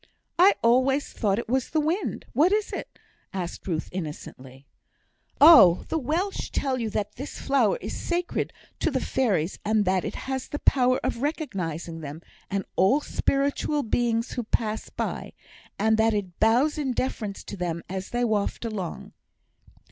"I always thought it was the wind. What is it?" asked Ruth, innocently. "Oh, the Welsh tell you that this flower is sacred to the fairies, and that it has the power of recognising them, and all spiritual beings who pass by, and that it bows in deference to them as they waft along.